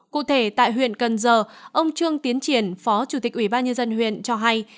cụ thể tại huyện cần giờ ông trương tiến triển phó chủ tịch ủy ban nhân dân huyện cho hay